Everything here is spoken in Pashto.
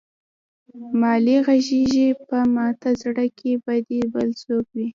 مالې غږېږې به ماته زړه کې به دې بل څوک وي.